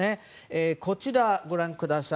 こちらをご覧ください。